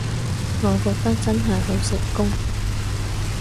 我覺得真係好成功